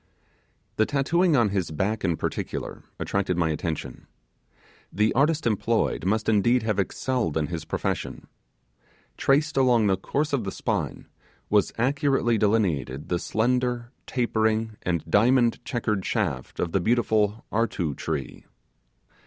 The tattooing on his back in particular attracted my attention. The artist employed must indeed have excelled in his profession. Traced along the course of the spine was accurately delineated the slender, tapering and diamond checkered shaft of the beautiful 'artu' tree.